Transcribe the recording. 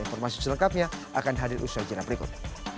informasi selengkapnya akan hadir usaha jenah berikut